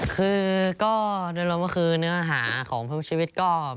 คือก็โดยรวมว่าคือเนื้อหาของเพื่อนผู้ชีวิตก็